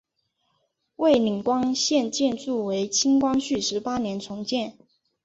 蔚岭关现建筑为清光绪十八年重建。